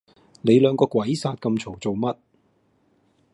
你兩個鬼殺咁嘈做乜